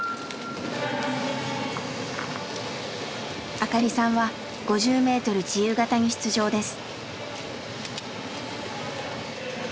明香里さんは５０ｍ自由形に出場です。